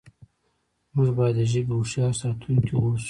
موږ باید د ژبې هوښیار ساتونکي اوسو.